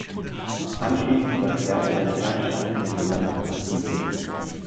Anschließend überquerte der Kernschatten den gesamten Pazifik.